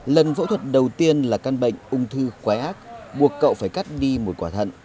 lần phẫu thuật đầu tiên là căn bệnh ung thư quái ác buộc cậu phải cắt đi một quả thận